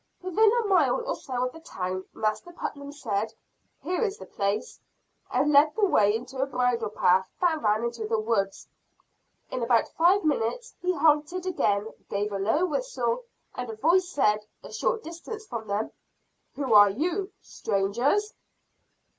Within a mile or so of the town, Master Putnam said, "here is the place" and led the way into a bridle path that ran into the woods. In about five minutes he halted again, gave a low whistle, and a voice said, a short distance from them, "Who are you, strangers?"